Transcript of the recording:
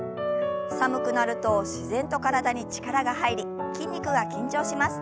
寒くなると自然と体に力が入り筋肉が緊張します。